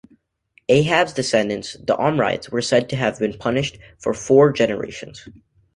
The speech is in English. Ahab's descendants, the Omrides, were said to have been punished for four generations.